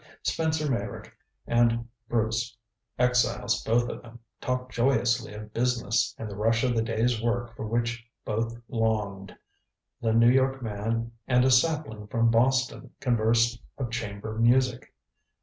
Spencer Meyrick and Bruce, exiles both of them, talked joyously of business and the rush of the day's work for which both longed. The New York man and a sapling from Boston conversed of chamber music.